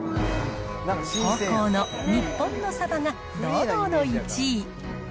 宝幸の日本のさばが堂々の１位。